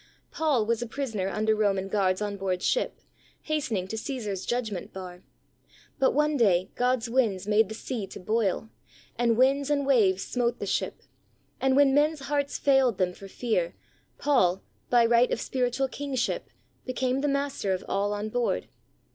Paul was a prisoner under Roman guards on board ship, hastening to Caesar's judg ment bar; but one day, God's winds made the sea to boil, and winds and waves smote 36 THE soul winner's secret. the ship, and when men's hearts failed them for fear, Paul, by right of spiritual kingship, became the master of all on board.